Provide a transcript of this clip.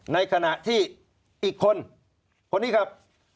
ในขณะที่อีกคนคนนี้ครับ